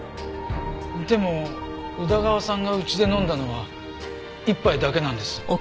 でも宇田川さんがうちで飲んだのは１杯だけなんです。